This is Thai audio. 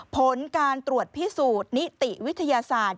ผลการตรวจพิสูจน์นิติวิทยาศาสตร์